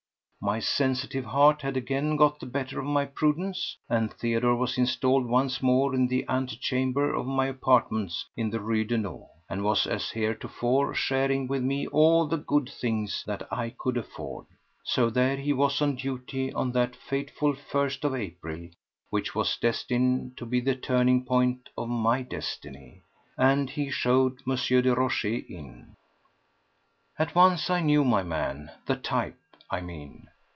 My sensitive heart had again got the better of my prudence, and Theodore was installed once more in the antechamber of my apartments in the Rue Daunou, and was, as heretofore, sharing with me all the good things that I could afford. So there he was on duty on that fateful first of April which was destined to be the turning point of my destiny. And he showed M. de Rochez in. At once I knew my man—the type, I mean.